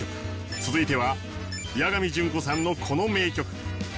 続いては八神純子さんのこの名曲。